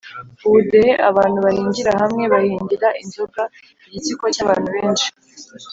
ubudehe : abantu bahingira hamwe bahingira inzoga; igitsiko cy’abantu benshi